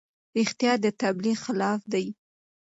رښتیا د تبلیغ خلاف دي.